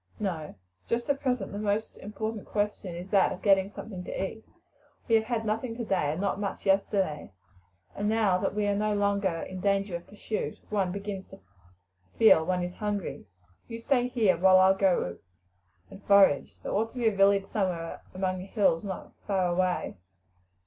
"No. Just at present the most important question is that of getting something to eat. We have had nothing today and not much yesterday, and now that we are no longer in danger of pursuit one begins to feel one is hungry. You stay here while I go and forage. There ought to be a village somewhere among the hills nor far away."